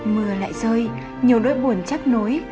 mưa lại rơi nhiều nỗi buồn chắc nối